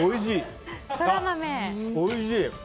おいしい！